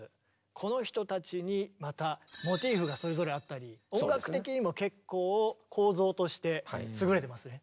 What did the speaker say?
この人たちにまたモチーフがそれぞれあったり音楽的にも結構構造として優れてますね。